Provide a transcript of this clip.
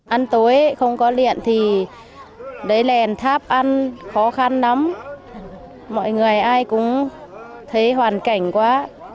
ăn tối không có điện thì lấy lèn tháp ăn khó khăn lắm mọi người ai cũng thấy hoàn cảnh quá